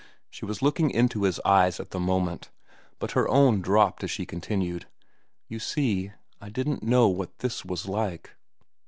She was looking into his eyes at the moment, but her own dropped as she continued, "You see, I didn't know what this was like."